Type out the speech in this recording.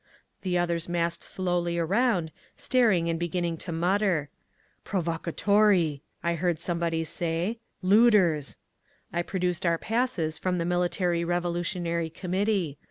The others massed slowly around, staring and beginning to mutter. "Provocatori!" I heard somebody say. "Looters!" I produced our passes from the Military Revolutionary Committee.